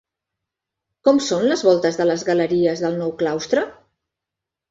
Com són les voltes de les galeries del nou claustre?